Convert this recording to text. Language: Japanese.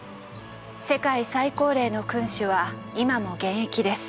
世界最高齢の君主は今も現役です。